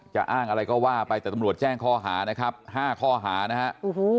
จะอ้างอะไรก็ว่าไปแต่ตำรวจแจ้งข้อหานะครับ๕ข้อหานะฮะ